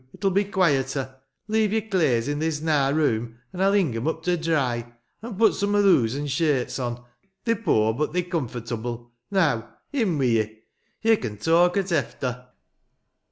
It'll be quieter. Leave your claes i' this nar room, an' I'll hing 'em up to dry. An' put some o' thoose aad shirts on. They're poor, but they're comfortable. Now, in wi' ye ! Ye can talk at efter."